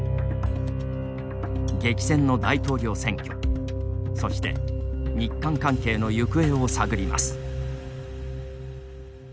激戦の大統領選挙、そして日韓関係の行方を探ります。